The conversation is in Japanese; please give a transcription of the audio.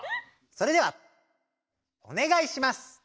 それではお願いします！